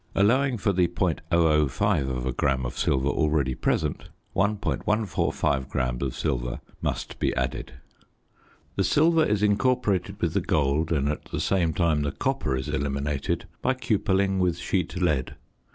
Allowing for the .005 gram of silver already present, 1.145 gram of silver must be added. The silver is incorporated with the gold, and at the same time the copper is eliminated, by cupelling with sheet lead.